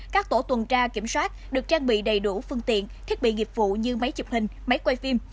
các tổ tuần tra kiểm soát được trang bị đầy đủ phương tiện thiết bị nghiệp vụ như máy chụp hình máy quay phim